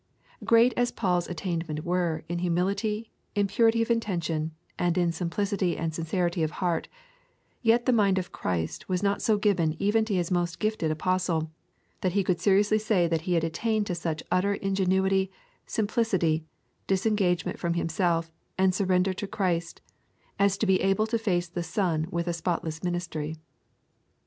Great as Paul's attainments were in humility, in purity of intention, and in simplicity and sincerity of heart, yet the mind of Christ was not so given even to His most gifted apostle, that he could seriously say that he had attained to such utter ingenuity, simplicity, disengagement from himself, and surrender to Christ, as to be able to face the sun with a spotless ministry.